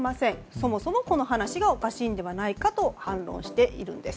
そもそも、この話がおかしいのではないかと反論しています。